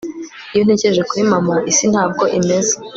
iyo ntekereje kuri mama, isi ntabwo imeze